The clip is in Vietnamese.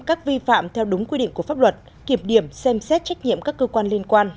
các vi phạm theo đúng quy định của pháp luật kiểm điểm xem xét trách nhiệm các cơ quan liên quan